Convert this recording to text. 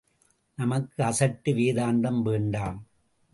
நமக்கு அசட்டு வேதாந்தம் வேண்டாம்.